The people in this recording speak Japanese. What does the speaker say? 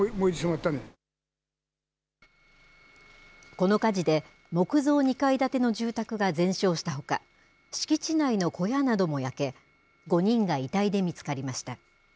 この火事で木造２階建ての住宅が全焼したほか敷地内の小屋なども焼け５人が遺体で見つかりました。